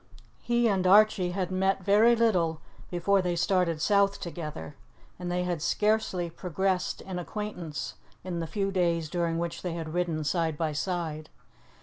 He and Archie had met very little before they started south together, and they had scarcely progressed in acquaintance in the few days during which they had ridden side by side.